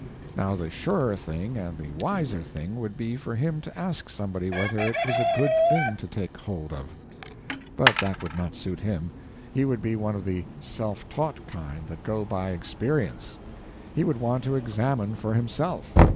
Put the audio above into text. Now the surer thing and the wiser thing would be for him to ask somebody whether it was a good thing to take hold of. But that would not suit him; he would be one of the self taught kind that go by experience; he would want to examine for himself.